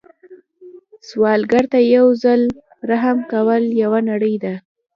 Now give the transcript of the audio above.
سوالګر ته یو ځل رحم کول یوه نړۍ ده